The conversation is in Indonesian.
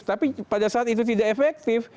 tapi pada saat itu tidak efektif